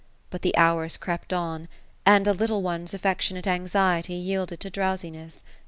But the hours crept on, and the little ome*s alFeo tionate anxiety yielded to drowsiness.